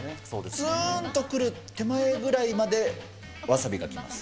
つーんとくる手前ぐらいまでわさびがきます。